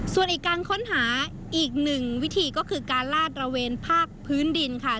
ส่วนอีกการค้นหาอีกหนึ่งวิธีก็คือการลาดระเวนภาคพื้นดินค่ะ